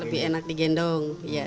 lebih enak digendong iya